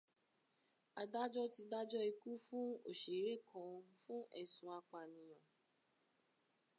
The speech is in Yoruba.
Adájọ́ ti dájọ́ ikú fún òsèré kan fún ẹ̀sùn apanìyàn.